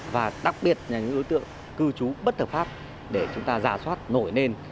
và đặc biệt là những đối tượng cư trú bất hợp pháp để chúng ta giả soát nổi lên